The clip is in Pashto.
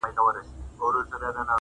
یو پر تا مین یم له هر یار سره مي نه لګي،